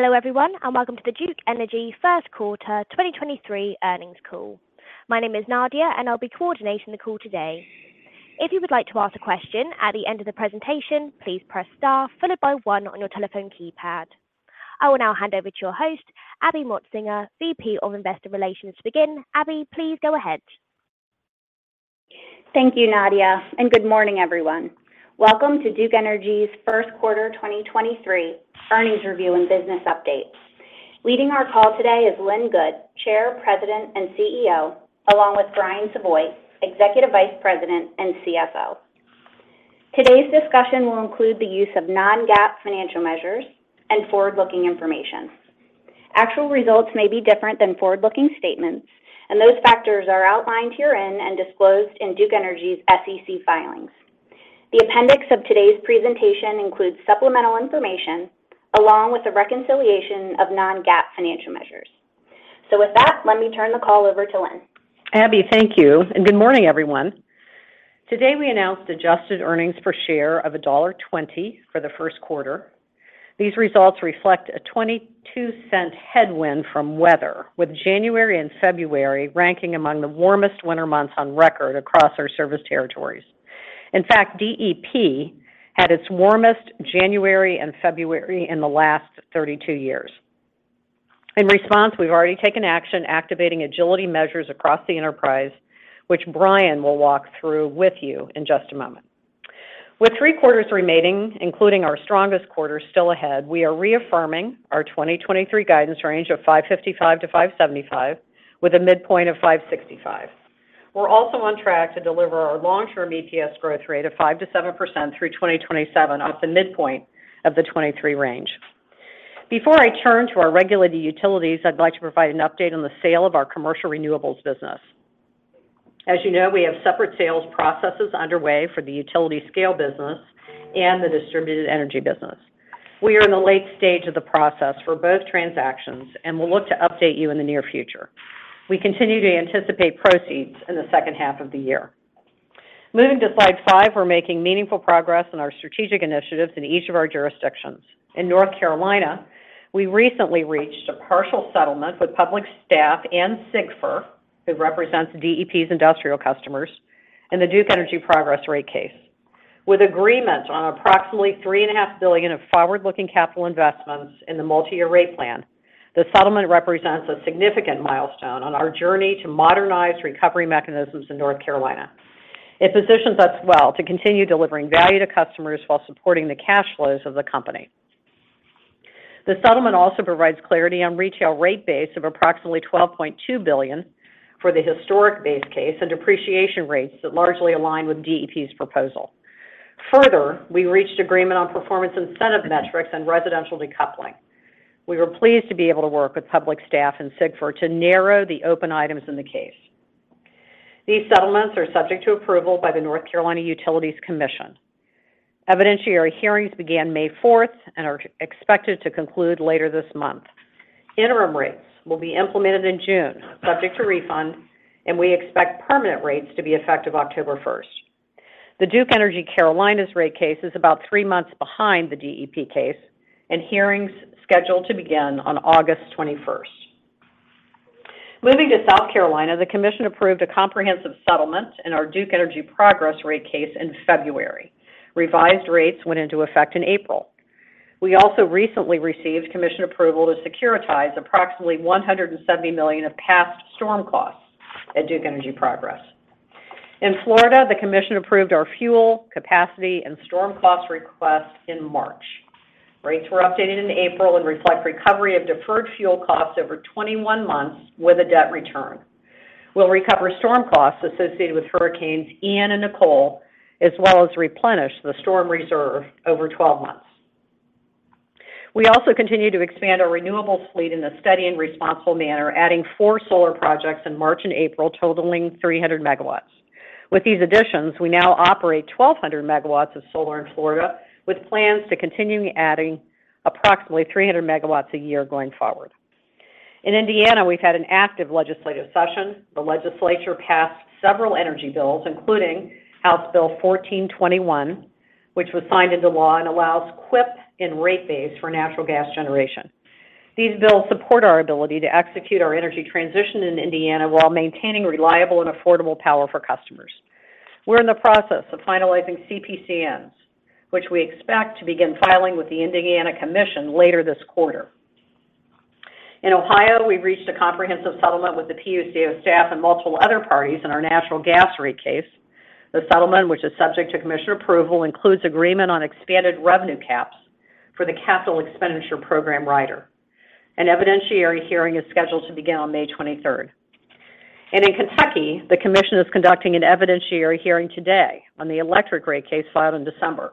Hello everyone, welcome to the Duke Energy Q1 2023 earnings call. My name is Nadia, I'll be coordinating the call today. If you would like to ask a question at the end of the presentation, please press Star followed by one on your telephone keypad. I will now hand over to your host, Abby Motsinger, VP of Investor Relations to begin. Abby, please go ahead. Thank you, Nadia, good morning everyone. Welcome to Duke Energy's Q1 2023 earnings review and business update. Leading our call today is Lynn Good, Chair, President, and CEO, along with Brian Savoy, Executive Vice President and CFO. Today's discussion will include the use of non-GAAP financial measures and forward-looking information. Actual results may be different than forward-looking statements, those factors are outlined herein and disclosed in Duke Energy's SEC filings. The appendix of today's presentation includes supplemental information along with a reconciliation of non-GAAP financial measures. With that, let me turn the call over to Lynn. Abby, thank you, and good morning everyone. Today we announced adjusted EPS of $1.20 for the Q1. These results reflect a $0.22 headwind from weather, with January and February ranking among the warmest winter months on record across our service territories. In fact, DEP had its warmest January and February in the last 32 years. In response, we've already taken action activating agility measures across the enterprise, which Brian will walk through with you in just a moment. With three quarters remaining, including our strongest quarter still ahead, we are reaffirming our 2023 guidance range of $5.55-$5.75, with a midpoint of $5.65. We're also on track to deliver our long-term EPS growth rate of 5%-7% through 2027 off the midpoint of the 2023 range. Before I turn to our regulated utilities, I'd like to provide an update on the sale of our commercial renewables business. As you know, we have separate sales processes underway for the utility scale business and the distributed energy business. We are in the late stage of the process for both transactions, and will look to update you in the near future. We continue to anticipate proceeds in the H2 of the year. Moving to slide five, we're making meaningful progress on our strategic initiatives in each of our jurisdictions. In North Carolina, we recently reached a partial settlement with Public Staff and CIGFUR, who represents DEP's industrial customers, in the Duke Energy Progress rate case. With agreement on approximately 3.5 billion of forward-looking capital investments in the multi-year rate plan, the settlement represents a significant milestone on our journey to modernize recovery mechanisms in North Carolina. It positions us well to continue delivering value to customers while supporting the cash flows of the company. The settlement also provides clarity on retail rate base of approximately $12.2 billion for the historic base case and depreciation rates that largely align with DEP's proposal. We reached agreement on performance incentive metrics and residential decoupling. We were pleased to be able to work with Public Staff and CIGFUR to narrow the open items in the case. These settlements are subject to approval by the North Carolina Utilities Commission. Evidentiary hearings began May 4th and are expected to conclude later this month. Interim rates will be implemented in June, subject to refunds, and we expect permanent rates to be effective October 1st. The Duke Energy Carolinas rate case is about three months behind the DEP case and hearings scheduled to begin on August 21st. Moving to South Carolina, the commission approved a comprehensive settlement in our Duke Energy Progress rate case in February. Revised rates went into effect in April. We also recently received commission approval to securitize approximately $170 million of past storm costs at Duke Energy Progress. In Florida, the commission approved our fuel, capacity, and storm cost request in March. Rates were updated in April and reflect recovery of deferred fuel costs over 21 months with a debt return. We'll recover storm costs associated with Hurricanes Ian and Nicole, as well as replenish the storm reserve over 12 months. We also continue to expand our renewables fleet in a steady and responsible manner, adding four solar projects in March and April totaling 300 MW. With these additions, we now operate 1,200 MW of solar in Florida, with plans to continue adding approximately 300 MW a year going forward. In Indiana, we've had an active legislative session. The legislature passed several energy bills, including House Bill 1421, which was signed into law and allows CWIP in rate base for natural gas generation. These bills support our ability to execute our energy transition in Indiana while maintaining reliable and affordable power for customers. We're in the process of finalizing CPCNs, which we expect to begin filing with the Indiana Commission later this quarter. In Ohio, we've reached a comprehensive settlement with the PUCO staff and multiple other parties in our natural gas rate case. The settlement, which is subject to commission approval, includes agreement on expanded revenue caps for the capital expenditure program rider. An evidentiary hearing is scheduled to begin on May 23rd. In Kentucky, the commission is conducting an evidentiary hearing today on the electric rate case filed in December.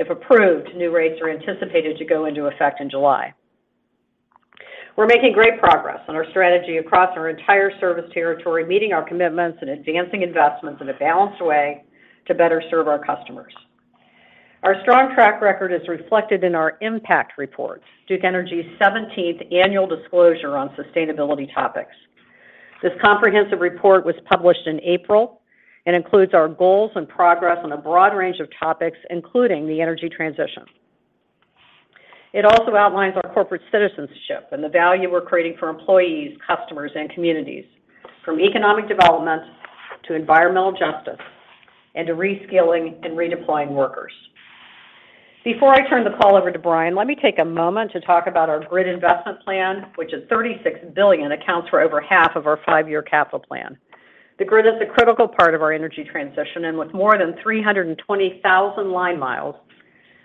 If approved, new rates are anticipated to go into effect in July. We're making great progress on our strategy across our entire service territory, meeting our commitments and advancing investments in a balanced way to better serve our customers. Our strong track record is reflected in our impact report, Duke Energy's 17th annual disclosure on sustainability topics. This comprehensive report was published in April and includes our goals and progress on a broad range of topics, including the energy transition. It also outlines our corporate citizenship and the value we're creating for employees, customers, and communities, from economic development to environmental justice and to reskilling and redeploying workers. Before I turn the call over to Brian, let me take a moment to talk about our grid investment plan, which is $36 billion accounts for over half of our five-year capital plan. The grid is a critical part of our energy transition, and with more than 320,000 line miles,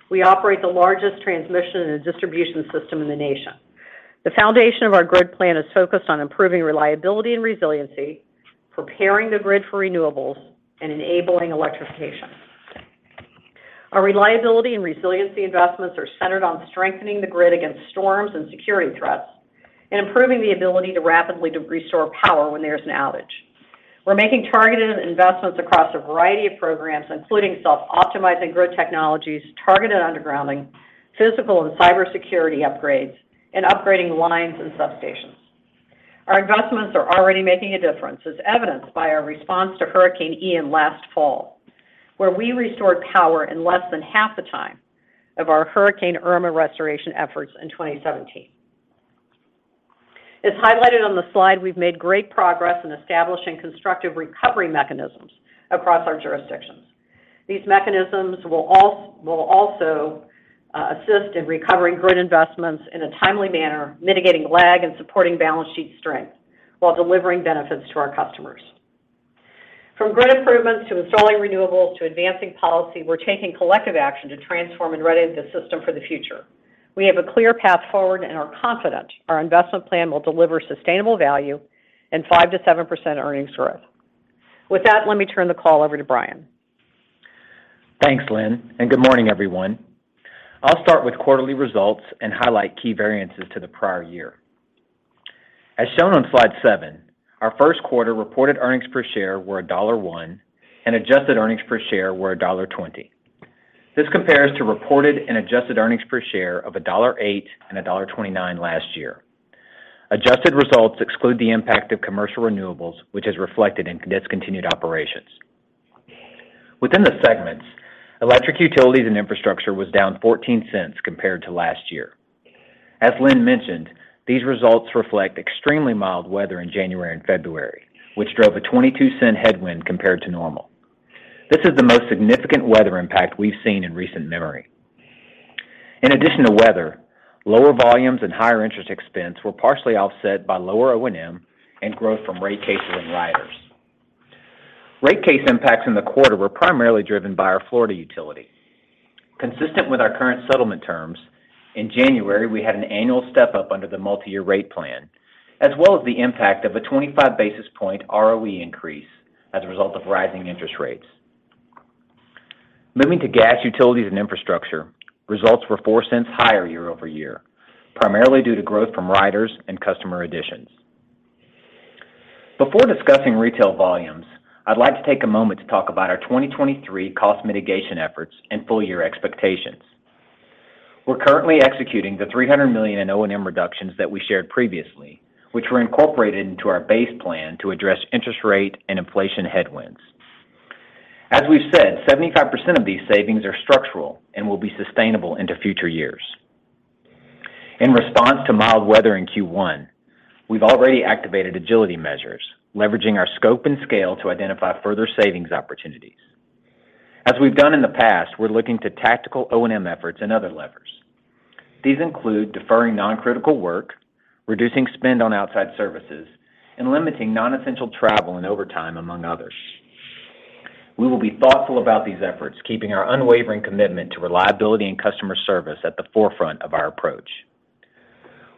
we operate the largest transmission and distribution system in the nation. The foundation of our grid plan is focused on improving reliability and resiliency, preparing the grid for renewables, and enabling electrification. Our reliability and resiliency investments are centered on strengthening the grid against storms and security threats and improving the ability to rapidly restore power when there's an outage. We're making targeted investments across a variety of programs, including self-optimizing grid technologies, targeted undergrounding, physical and cybersecurity upgrades, and upgrading lines and substations. Our investments are already making a difference, as evidenced by our response to Hurricane Ian last fall, where we restored power in less than half the time of our Hurricane Irma restoration efforts in 2017. As highlighted on the slide, we've made great progress in establishing constructive recovery mechanisms across our jurisdictions. These mechanisms will also assist in recovering grid investments in a timely manner, mitigating lag and supporting balance sheet strength while delivering benefits to our customers. From grid improvements to installing renewables to advancing policy, we're taking collective action to transform and ready the system for the future. We have a clear path forward and are confident our investment plan will deliver sustainable value and 5%-7% earnings growth. With that, let me turn the call over to Brian. Thanks, Lynn. Good morning, everyone. I'll start with quarterly results and highlight key variances to the prior year. As shown on slide 7, our Q1 reported earnings per share were $1.01 and adjusted earnings per share were $1.20. This compares to reported and adjusted earnings per share of $1.08 and $1.29 last year. Adjusted results exclude the impact of commercial renewables, which is reflected in discontinued operations. Within the segments, electric utilities and infrastructure was down $0.14 compared to last year. As Lynn mentioned, these results reflect extremely mild weather in January and February, which drove a $0.22 headwind compared to normal. This is the most significant weather impact we've seen in recent memory. In addition to weather, lower volumes and higher interest expense were partially offset by lower O&M and growth from rate cases and riders. Rate case impacts in the quarter were primarily driven by our Florida utility. Consistent with our current settlement terms, in January, we had an annual step-up under the multi-year rate plan, as well as the impact of a 25 basis point ROE increase as a result of rising interest rates. Moving to gas, utilities, and infrastructure, results were $0.04 higher year-over-year, primarily due to growth from riders and customer additions. Before discussing retail volumes, I'd like to take a moment to talk about our 2023 cost mitigation efforts and full year expectations. We're currently executing the $300 million in O&M reductions that we shared previously, which were incorporated into our base plan to address interest rate and inflation headwinds. As we've said, 75% of these savings are structural and will be sustainable into future years. In response to mild weather in Q1, we've already activated agility measures, leveraging our scope and scale to identify further savings opportunities. As we've done in the past, we're looking to tactical O&M efforts and other levers. These include deferring non-critical work, reducing spend on outside services, and limiting non-essential travel and overtime, among others. We will be thoughtful about these efforts, keeping our unwavering commitment to reliability and customer service at the forefront of our approach.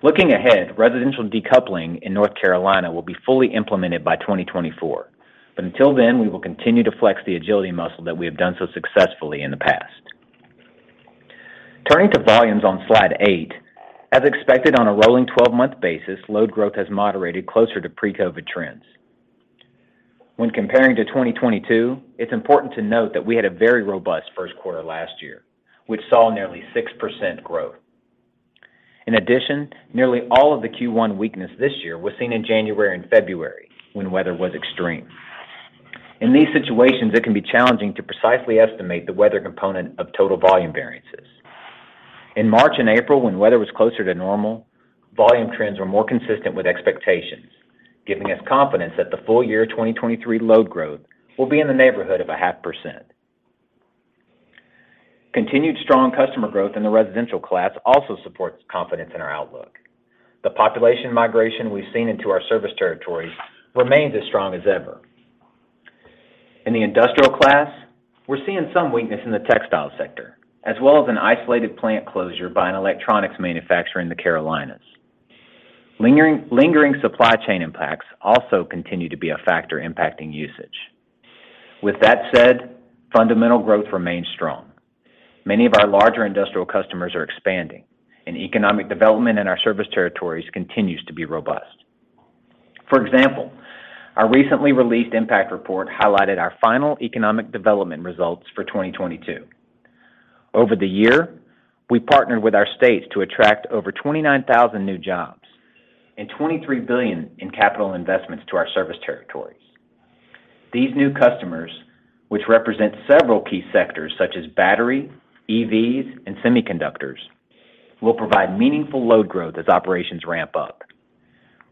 Looking ahead, residential decoupling in North Carolina will be fully implemented by 2024. Until then, we will continue to flex the agility muscle that we have done so successfully in the past. Turning to volumes on slide 8, as expected on a rolling 12-month basis, load growth has moderated closer to pre-COVID trends. When comparing to 2022, it's important to note that we had a very robust Q1 last year, which saw nearly 6% growth. In addition, nearly all of the Q1 weakness this year was seen in January and February when weather was extreme. In these situations, it can be challenging to precisely estimate the weather component of total volume variances. In March and April, when weather was closer to normal, volume trends were more consistent with expectations, giving us confidence that the full year 2023 load growth will be in the neighborhood of 0.5%. Continued strong customer growth in the residential class also supports confidence in our outlook. The population migration we've seen into our service territories remains as strong as ever. In the industrial class, we're seeing some weakness in the textile sector, as well as an isolated plant closure by an electronics manufacturer in the Carolinas. Lingering supply chain impacts also continue to be a factor impacting usage. With that said, fundamental growth remains strong. Many of our larger industrial customers are expanding, and economic development in our service territories continues to be robust. For example, our recently released impact report highlighted our final economic development results for 2022. Over the year, we partnered with our states to attract over 29,000 new jobs and $23 billion in capital investments to our service territories. These new customers, which represent several key sectors such as battery, EVs, and semiconductors, will provide meaningful load growth as operations ramp up.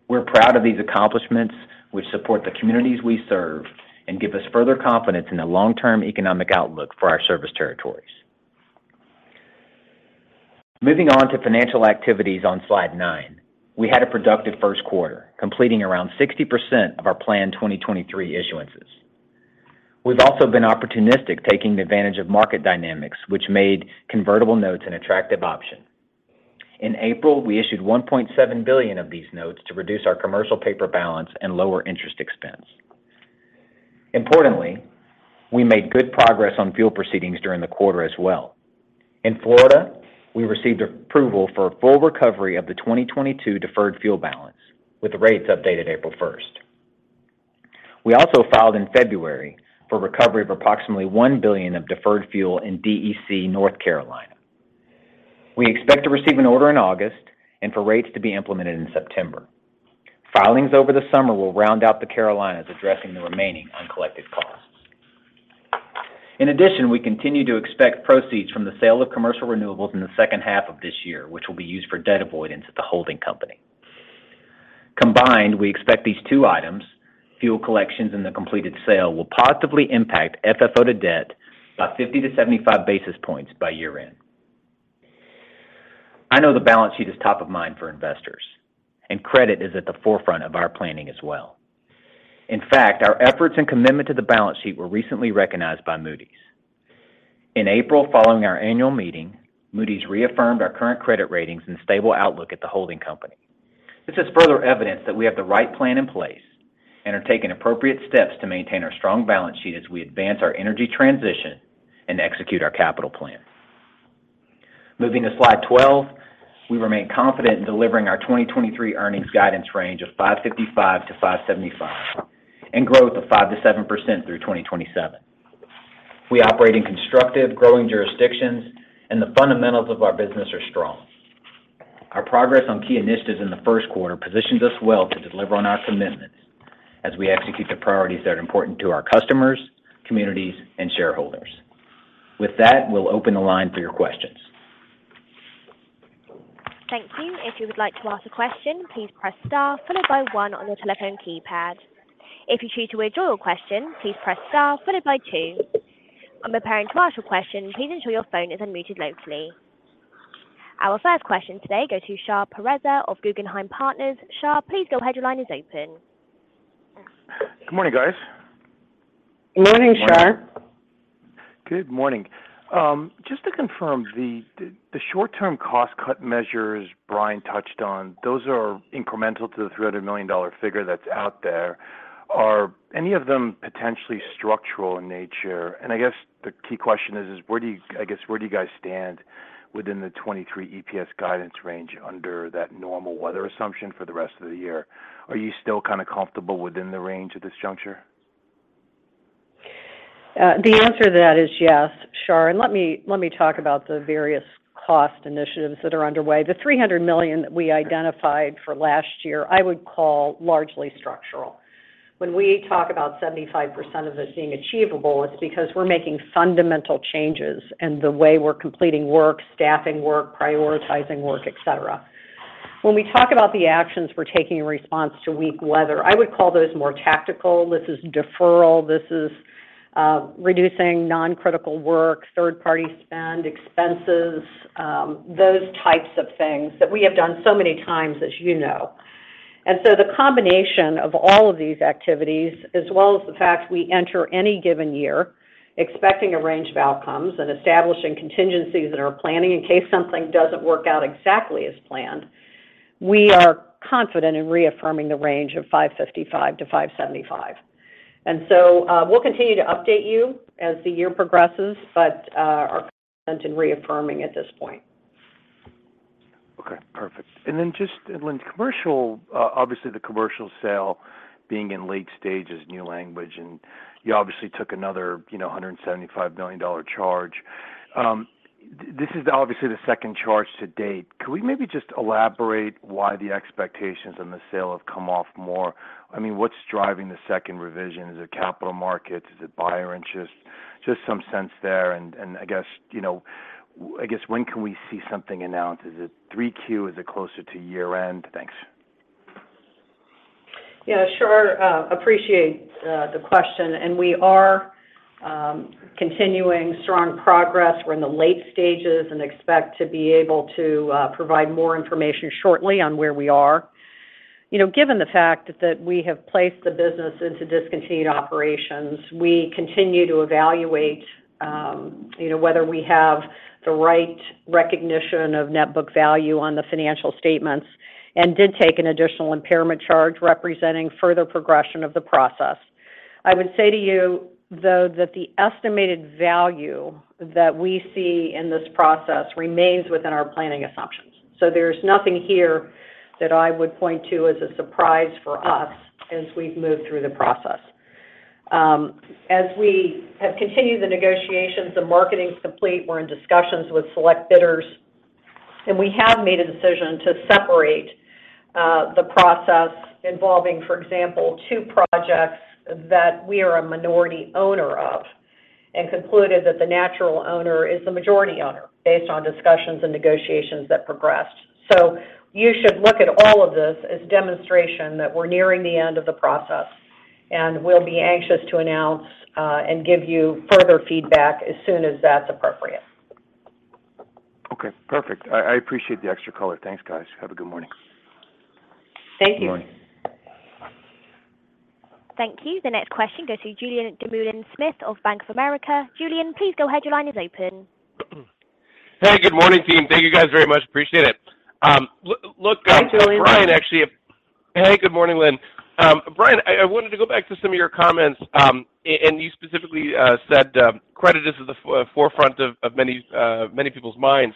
We're proud of these accomplishments, which support the communities we serve and give us further confidence in the long-term economic outlook for our service territories. Moving on to financial activities on slide nine. We had a productive Q1, completing around 60% of our planned 2023 issuances. We've also been opportunistic, taking advantage of market dynamics, which made convertible notes an attractive option. In April, we issued $1.7 billion of these notes to reduce our commercial paper balance and lower interest expense. Importantly, we made good progress on fuel proceedings during the quarter as well. In Florida, we received approval for a full recovery of the 2022 deferred fuel balance with the rates updated April 1. We also filed in February for recovery of approximately $1 billion of deferred fuel in DEC, North Carolina. We expect to receive an order in August and for rates to be implemented in September. Filings over the summer will round out the Carolinas addressing the remaining uncollected costs. In addition, we continue to expect proceeds from the sale of commercial renewables in the H2 of this year, which will be used for debt avoidance at the holding company. Combined, we expect these two items, fuel collections and the completed sale, will positively impact FFO to debt by 50 to 75 basis points by year-end. I know the balance sheet is top of mind for investors. Credit is at the forefront of our planning as well. In fact, our efforts and commitment to the balance sheet were recently recognized by Moody's. In April, following our annual meeting, Moody's reaffirmed our current credit ratings and stable outlook at the holding company. This is further evidence that we have the right plan in place and are taking appropriate steps to maintain our strong balance sheet as we advance our energy transition and execute our capital plan. Moving to slide 12, we remain confident in delivering our 2023 earnings guidance range of $5.55-$5.75 and growth of 5%-7% through 2027. We operate in constructive, growing jurisdictions, and the fundamentals of our business are strong. Our progress on key initiatives in the Q1 positions us well to deliver on our commitments as we execute the priorities that are important to our customers, communities, and shareholders. With that, we'll open the line for your questions. Thank you. If you would like to ask a question, please press star followed by one on your telephone keypad. If you choose to withdraw your question, please press star followed by 2. When preparing to ask your question, please ensure your phone is unmuted locally. Our first question today goes to Shahriar Pourreza of Guggenheim Securities. Sha, please go ahead. Your line is open. Good morning, guys. Morning, Sha. Good morning. Just to confirm, the short-term cost cut measures Brian touched on, those are incremental to the $300 million figure that's out there. Are any of them potentially structural in nature? I guess the key question is where do you guys stand within the 2023 EPS guidance range under that normal weather assumption for the rest of the year? Are you still kind of comfortable within the range at this juncture? The answer to that is yes, Sha. Let me talk about the various cost initiatives that are underway. The $300 million that we identified for last year, I would call largely structural. When we talk about 75% of this being achievable, it's because we're making fundamental changes in the way we're completing work, staffing work, prioritizing work, et cetera. When we talk about the actions we're taking in response to weak weather, I would call those more tactical. This is deferral. This is reducing non-critical work, third-party spend, expenses, those types of things that we have done so many times, as you know. The combination of all of these activities, as well as the fact we enter any given year expecting a range of outcomes and establishing contingencies in our planning in case something doesn't work out exactly as planned, we are confident in reaffirming the range of $5.55-$5.75. We'll continue to update you as the year progresses, but are content in reaffirming at this point. Okay, perfect. Then just in commercial, obviously the commercial sale being in late stage is new language, and you obviously took another $175 million charge. This is obviously the second charge to date. Could we maybe just elaborate why the expectations on the sale have come off more? I mean, what's driving the second revision? Is it capital markets? Is it buyer interest? Just some sense there. I guess, you know, I guess when can we see something announced? Is it 3Q? Is it closer to year-end? Thanks. Yeah, sure. Appreciate the question, We are continuing strong progress. We're in the late stages and expect to be able to provide more information shortly on where we are. You know, given the fact that we have placed the business into discontinued operations, we continue to evaluate, you know, whether we have the right recognition of net book value on the financial statements and did take an additional impairment charge representing further progression of the process. I would say to you, though, that the estimated value that we see in this process remains within our planning assumptions. There's nothing here that I would point to as a surprise for us as we've moved through the process. As we have continued the negotiations, the marketing is complete. We're in discussions with select bidders, and we have made a decision to separate the process involving, for example, two projects that we are a minority owner of and concluded that the natural owner is the majority owner based on discussions and negotiations that progressed. You should look at all of this as demonstration that we're nearing the end of the process, and we'll be anxious to announce and give you further feedback as soon as that's appropriate. Okay, perfect. I appreciate the extra color. Thanks, guys. Have a good morning. Thank you. Thank you. The next question goes to Julien Dumoulin-Smith of Bank of America. Julien, please go ahead. Your line is open. Hey, good morning, team. Thank you, guys, very much. Appreciate it. Look, Hi, Julien. Brian, actually. Hey, good morning, Lynn. Brian, I wanted to go back to some of your comments and you specifically said that credit is at the forefront of many people's minds.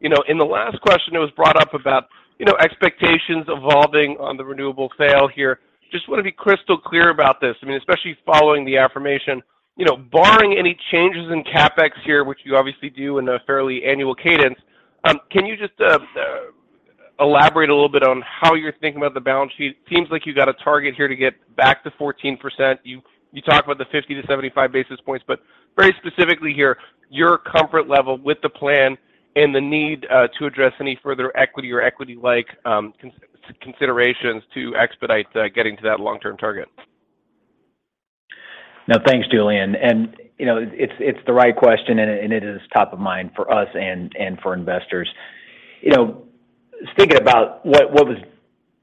You know, in the last question, it was brought up about, you know, expectations evolving on the renewable sale here. Just want to be crystal clear about this. I mean, especially following the affirmation. You know, barring any changes in CapEx here, which you obviously do in a fairly annual cadence, can you just elaborate a little bit on how you're thinking about the balance sheet? Seems like you got a target here to get back to 14%. You talked about the 50-75 basis points, but very specifically here, your comfort level with the plan and the need to address any further equity or equity-like considerations to expedite getting to that long-term target. Thanks, Julien. You know, it's the right question and it is top of mind for us and for investors. You know, thinking about what was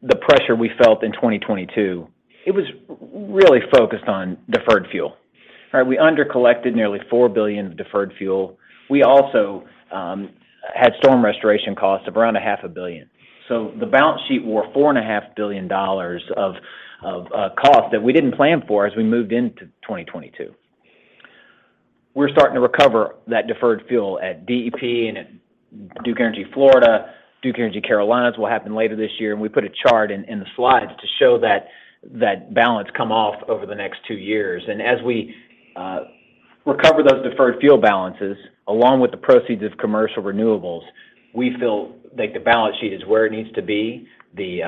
the pressure we felt in 2022, it was really focused on deferred fuel. Right? We under-collected nearly $4 billion deferred fuel. We also had storm restoration costs of around a $500 million dollars. The balance sheet wore $4.5 billion of cost that we didn't plan for as we moved into 2022. We're starting to recover that deferred fuel at DEP and at Duke Energy Florida, Duke Energy Carolinas will happen later this year. We put a chart in the slides to show that balance come off over the next two years. As we recover those deferred fuel balances, along with the proceeds of commercial renewables, we feel like the balance sheet is where it needs to be. The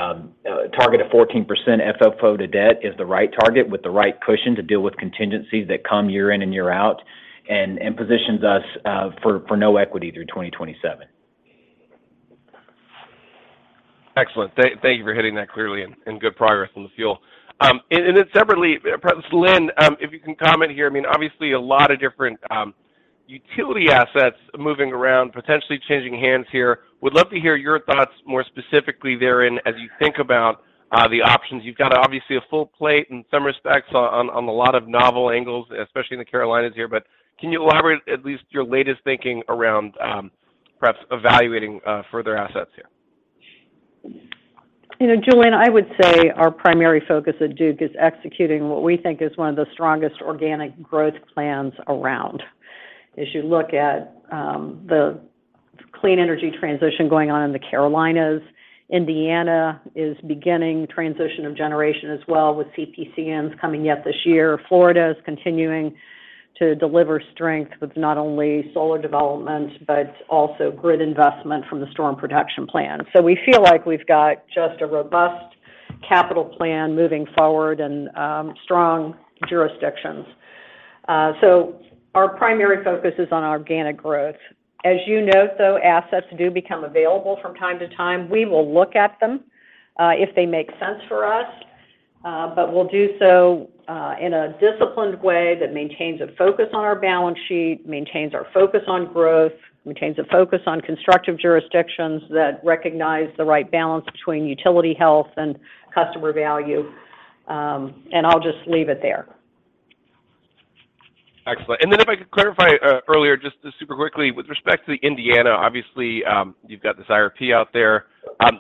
target of 14% FFO to debt is the right target with the right cushion to deal with contingencies that come year in and year out and positions us for no equity through 2027. Excellent. Thank you for hitting that clearly and good progress on the fuel. Then separately, perhaps, Lynn, if you can comment here, I mean, obviously a lot of different utility assets moving around, potentially changing hands here. Would love to hear your thoughts more specifically therein as you think about the options. You've got obviously a full plate in some respects on a lot of novel angles, especially in the Carolinas here. Can you elaborate at least your latest thinking around perhaps evaluating further assets here? You know, Julien, I would say our primary focus at Duke is executing what we think is one of the strongest organic growth plans around. As you look at the clean energy transition going on in the Carolinas, Indiana is beginning transition of generation as well with CPCNs coming yet this year. Florida is continuing to deliver strength with not only solar development, but also grid investment from the Storm Protection Plan. We feel like we've got just a robust capital plan moving forward and strong jurisdictions. Our primary focus is on organic growth. As you note, though, assets do become available from time to time. We will look at them, if they make sense for us, but we'll do so, in a disciplined way that maintains a focus on our balance sheet, maintains our focus on growth, maintains a focus on constructive jurisdictions that recognize the right balance between utility health and customer value. I'll just leave it there. Excellent. If I could clarify, earlier just super quickly, with respect to Indiana, obviously, you've got this IRP out there.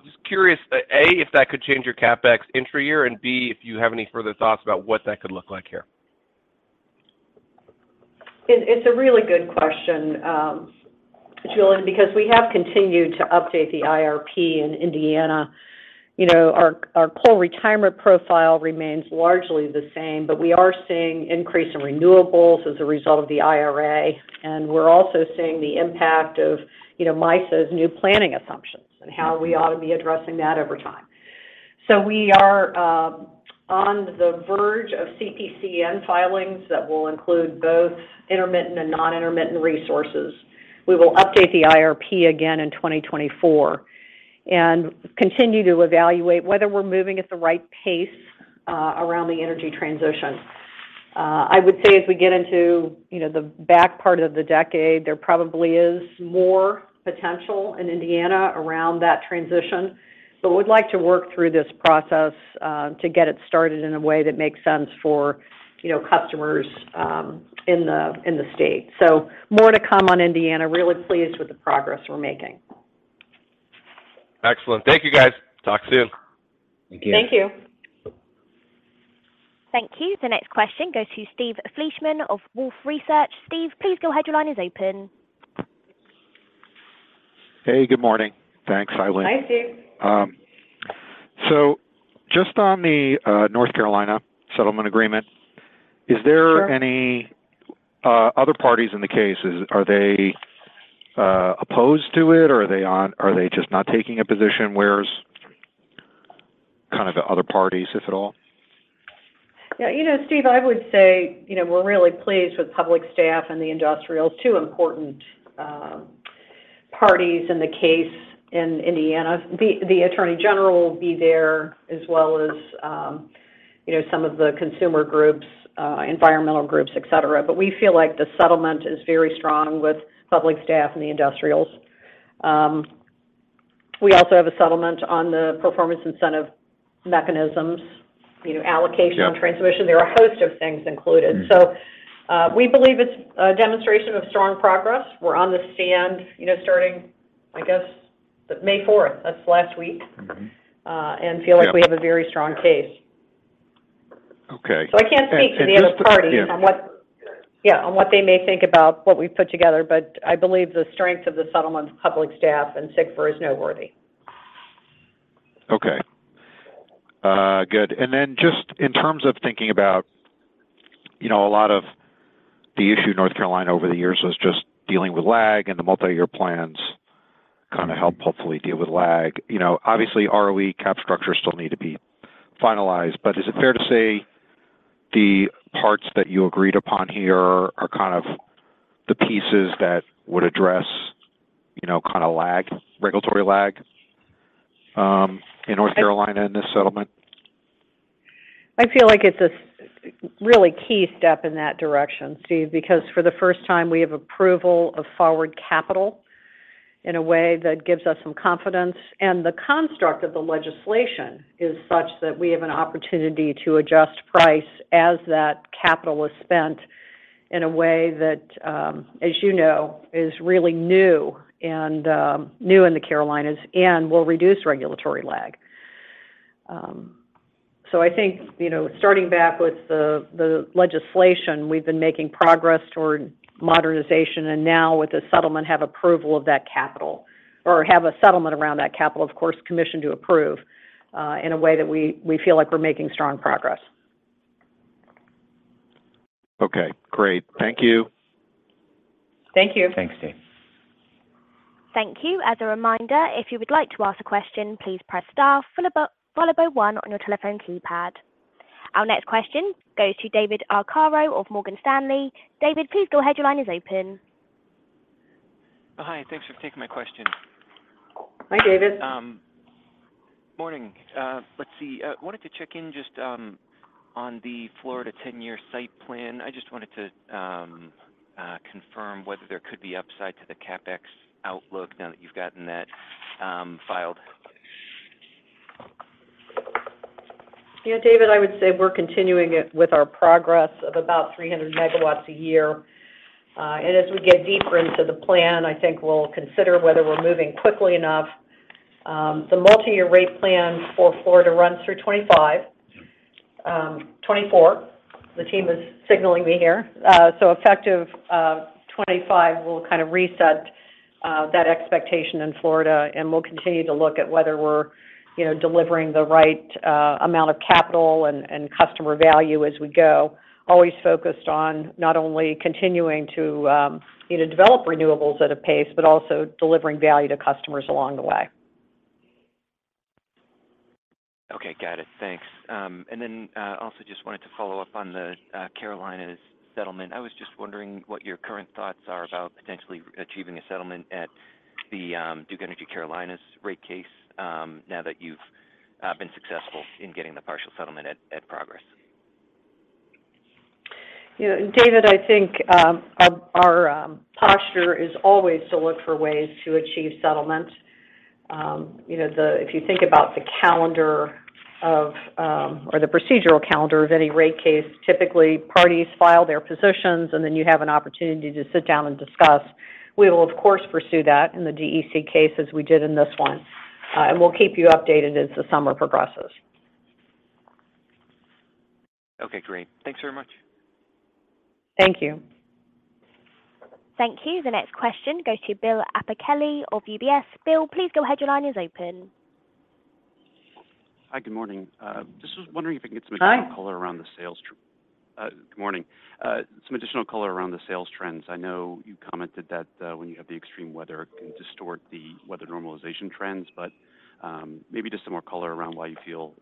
Just curious, A, if that could change your CapEx entry year, and B, if you have any further thoughts about what that could look like here. It's a really good question, Julien, because we have continued to update the IRP in Indiana. You know, our coal retirement profile remains largely the same, but we are seeing increase in renewables as a result of the IRA, and we're also seeing the impact of, you know, MISO's new planning assumptions and how we ought to be addressing that over time. We are on the verge of CPCN filings that will include both intermittent and non-intermittent resources. We will update the IRP again in 2024 and continue to evaluate whether we're moving at the right pace around the energy transition. I would say as we get into, you know, the back part of the decade, there probably is more potential in Indiana around that transition. We'd like to work through this process, to get it started in a way that makes sense for, you know, customers, in the, in the state. More to come on Indiana. Really pleased with the progress we're making. Excellent. Thank you, guys. Talk soon. Thank you. Thank you. The next question goes to Steve Fleishman of Wolfe Research. Steve, please go ahead. Your line is open. Hey, good morning. Thanks. Hi, Lynn. Hi, Steve. Just on the North Carolina settlement agreement. Sure... Is there any other parties in the case? Are they opposed to it or are they just not taking a position? Where's kind of the other parties, if at all? Yeah. You know, Steve, I would say, you know, we're really pleased with Public Staff and the Industrials, two important parties in the case in Indiana. The Attorney General will be there as well as, you know, some of the consumer groups, environmental groups, et cetera. We feel like the settlement is very strong with Public Staff and the Industrials. We also have a settlement on the performance incentive mechanisms, you know. Yeah... Transmission. There are a host of things included. Mm-hmm. We believe it's a demonstration of strong progress. We're on the stand, you know, starting, I guess, May 4th. That's last week. Mm-hmm. Uh, and feel like- Yeah... We have a very strong case. Okay. I can't speak for the other parties on. Just Yeah. On what they may think about what we've put together, I believe the strength of the settlement, Public Staff and CIGFUR is noteworthy. Okay. Good. Just in terms of thinking about, you know, a lot of the issue North Carolina over the years was just dealing with lag, and the multi-year plans kinda help hopefully deal with lag. You know, obviously ROE cap structure still need to be finalized, but is it fair to say the parts that you agreed upon here are kind of the pieces that would address, you know, kinda lag, regulatory lag, in North Carolina in this settlement? I feel like it's a really key step in that direction, Steve, because for the first time, we have approval of forward capital in a way that gives us some confidence. The construct of the legislation is such that we have an opportunity to adjust price as that capital is spent in a way that, as you know, is really new and new in the Carolinas and will reduce regulatory lag. I think, you know, starting back with the legislation, we've been making progress toward modernization, and now with the settlement have approval of that capital or have a settlement around that capital, of course, commission to approve, in a way that we feel like we're making strong progress. Okay, great. Thank you. Thank you. Thanks, Steve. Thank you. As a reminder, if you would like to ask a question, please press star follow by one on your telephone keypad. Our next question goes to David Arcaro of Morgan Stanley. David, please go ahead. Your line is open. Oh, hi. Thanks for taking my question. Hi, David. Morning. Let's see. Wanted to check in just on the Florida 10-year site plan. I just wanted to confirm whether there could be upside to the CapEx outlook now that you've gotten that filed. You know, David, I would say we're continuing it with our progress of about 300 MW a year. As we get deeper into the plan, I think we'll consider whether we're moving quickly enough. The multi-year rate plan for Florida runs through 25, 24. The team is signaling me here. Effective 25, we'll kind of reset that expectation in Florida, and we'll continue to look at whether we're, you know, delivering the right amount of capital and customer value as we go. Always focused on not only continuing to, you know, develop renewables at a pace, but also delivering value to customers along the way. Okay. Got it. Thanks. Also just wanted to follow up on the Carolinas settlement. I was just wondering what your current thoughts are about potentially achieving a settlement at the Duke Energy Carolinas rate case, now that you've been successful in getting the partial settlement at progress? You know, David, I think, our posture is always to look for ways to achieve settlement. You know, if you think about the calendar of or the procedural calendar of any rate case, typically parties file their positions, and then you have an opportunity to sit down and discuss. We will, of course, pursue that in the DEC case as we did in this one, and we'll keep you updated as the summer progresses. Okay, great. Thanks very much. Thank you. Thank you. The next question goes to Bill Appicelli of UBS. Bill, please go ahead. Your line is open. Hi, good morning. Just was wondering if I can get some-. Hi... Additional color around the sales. Good morning. Some additional color around the sales trends. I know you commented that when you have the extreme weather, it can distort the weather normalization trends. Maybe just some more color around why you feel,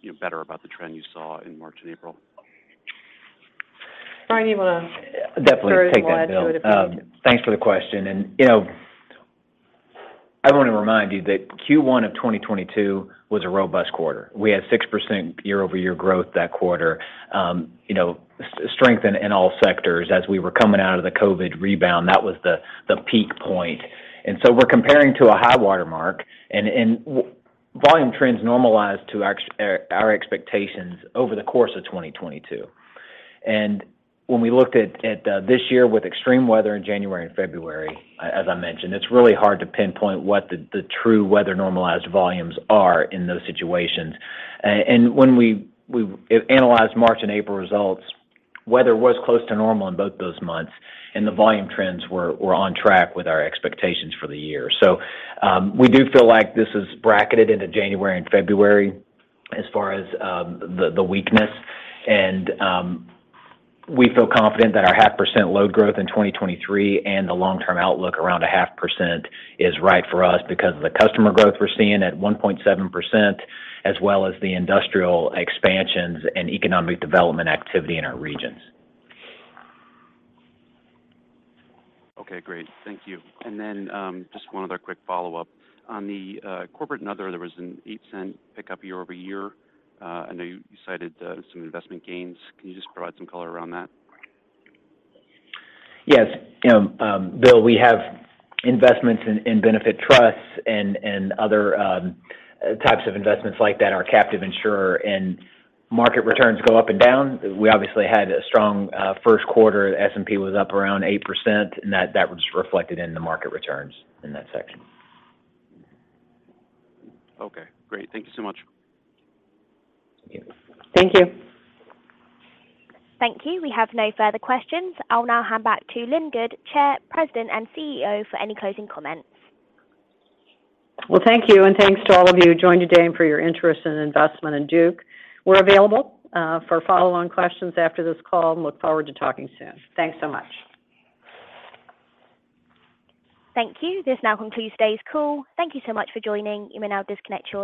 you know, better about the trend you saw in March and April. Brian. Definitely take that, Bill.... Very wide if you need to. Thanks for the question. You know, I wanna remind you that Q1 of 2022 was a robust quarter. We had 6% year-over-year growth that quarter. You know, strength in all sectors as we were coming out of the COVID rebound. That was the peak point. We're comparing to a high water mark and volume trends normalized to our expectations over the course of 2022. When we looked at this year with extreme weather in January and February, as I mentioned, it's really hard to pinpoint what the true weather normalized volumes are in those situations. When we analyzed March and April results, weather was close to normal in both those months, and the volume trends were on track with our expectations for the year. We do feel like this is bracketed into January and February as far as the weakness. We feel confident that our half % load growth in 2023 and the long-term outlook around a half % is right for us because of the customer growth we're seeing at 1.7%, as well as the industrial expansions and economic development activity in our regions. Okay, great. Thank you. Just one other quick follow-up. On the corporate and other, there was an $0.08 pickup year-over-year. I know you cited some investment gains. Can you just provide some color around that? Yes. You know, Bill, we have investments in benefit trusts and other types of investments like that, our captive insurer. Market returns go up and down. We obviously had a strong Q1. S&P was up around 8%, and that was reflected in the market returns in that section. Okay, great. Thank you so much. Yeah. Thank you. Thank you. We have no further questions. I'll now hand back to Lynn Good, Chair, President and CEO, for any closing comments. Well, thank you, and thanks to all of you who joined today and for your interest and investment in Duke. We're available, for follow-on questions after this call and look forward to talking soon. Thanks so much. Thank you. This now concludes today's call. Thank you so much for joining. You may now disconnect your lines